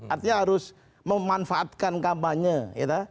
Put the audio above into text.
artinya harus memanfaatkan kampanye ya kan